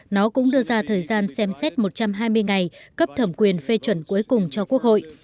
nó cũng đưa ra thời gian xem xét một trăm hai mươi ngày cấp thẩm quyền phê chuẩn cuối cùng cho quốc hội